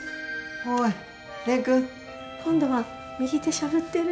おい蓮くん！今度は右手しゃぶってる。